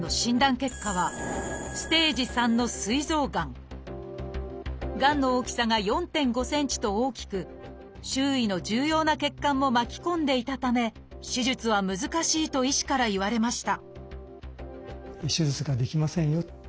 結果はがんの大きさが４．５ｃｍと大きく周囲の重要な血管も巻き込んでいたため手術は難しいと医師から言われました